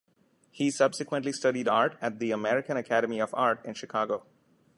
He subsequently studied art at the American Academy of Art in Chicago.